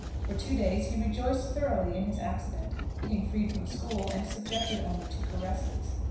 For two days he rejoiced thoroughly in his accident, being freed from school, and subjected only to caresses.